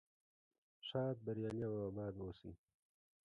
ښاد بریالي او اباد اوسئ.